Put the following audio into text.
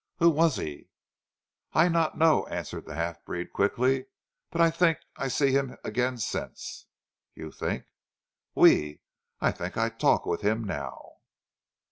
"Who was he?" "I not know," answered the half breed quickly, "but I tink I see heem again since." "You think " "Oui! I tink I talk with heem, now."